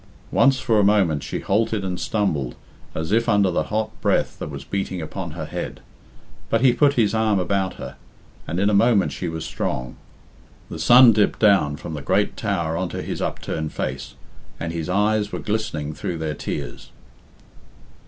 Once for a moment she halted and stumbled as if under the hot breath that was beating upon her head. But he put his arm about her, and in a moment she was strong. The sun dipped down from the great tower on to his upturned face, and his eyes were glistening through their tears.